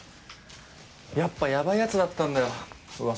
やっぱヤバいやつだったんだよ噂どおり。